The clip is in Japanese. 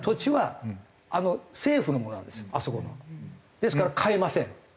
ですから買えません。